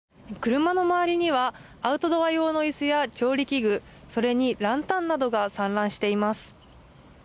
車の周りにはアウトドア用の椅子や調理器具、それにランタンなどが散乱しています。